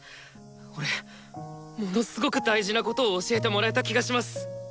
俺ものすごく大事なことを教えてもらえた気がします。